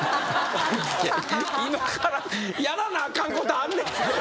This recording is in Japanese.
今からやらなあかんことあんねん。